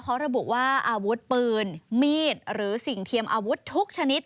เขาระบุว่าอาวุธปืนมีดหรือสิ่งเทียมอาวุธทุกชนิด